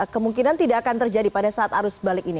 kemungkinan tidak akan terjadi pada saat arus balik ini